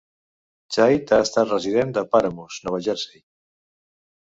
Chait ha estat resident de Paramus, Nova Jersey.